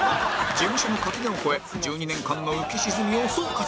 事務所の垣根を越え１２年間の浮き沈みを総括